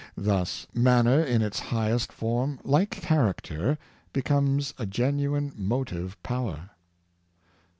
Thus manner, in its highest form, like character, becomes a genuine motive power.